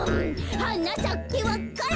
「はなさけわか蘭」